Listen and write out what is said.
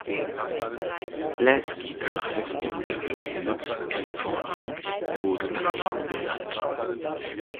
Lasky Drive in Beverly Hills, Kalifornien wurde nach ihm benannt.